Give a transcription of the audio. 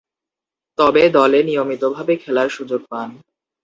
তবে, দলে নিয়মিতভাবে খেলার সুযোগ পান।